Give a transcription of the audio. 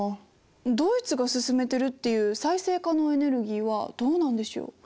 ドイツが進めてるっていう再生可能エネルギーはどうなんでしょう？